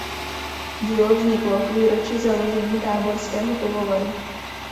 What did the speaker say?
Dílo vzniklo k výročí založení Táborského pivovaru.